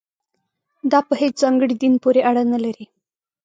دا په هېڅ ځانګړي دین پورې اړه نه لري.